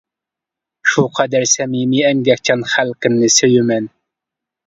شۇ قەدەر سەمىمىي ئەمگەكچان خەلقىمنى سۆيىمەن.